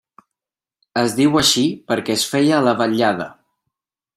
Es diu així perquè es feia a la vetllada.